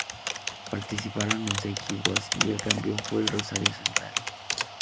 Participaron once equipos, y el campeón fue el Rosario Central.